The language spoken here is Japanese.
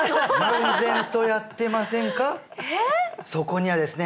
そこにはですね